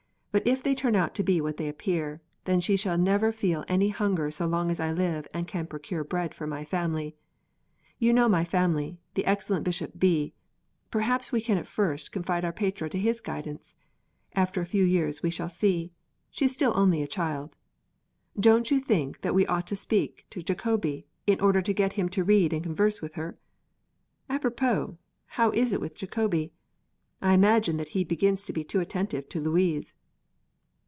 But if they turn out to be what they appear, then she shall never feel any hunger as long as I live and can procure bread for my family. You know my friend, the excellent Bishop B : perhaps we can at first confide our Petrea to his guidance. After a few years we shall see; she is still only a child. Don't you think that we ought to speak to Jacobi, in order to get him to read and converse with her? Apropos, how is it with Jacobi? I imagine that he begins to be too attentive to Louise."